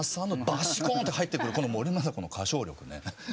バシコーンって入ってくるこの森昌子の歌唱力ね。